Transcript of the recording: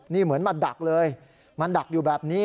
นี่เหมือนมาดักเลยมาดักอยู่แบบนี้